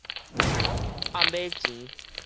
暗碼錢